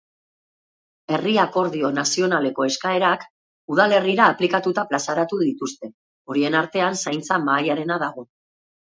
Herri akordio nazionaleko eskaerak udalerrira aplikatuta plazaratu zituzte; horien artean, zaintza mahaiarena dago.